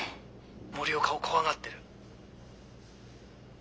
森岡を怖がってる。